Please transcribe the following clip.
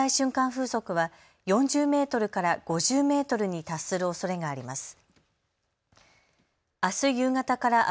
風速は４０メートルから５０メートルに達するおそれがあります。